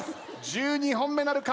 １２本目なるか？